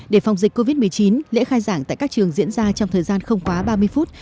để phòng dịch covid một mươi chín lễ khai giảng tại các trường diễn ra trong thời gian không quá ba mươi phút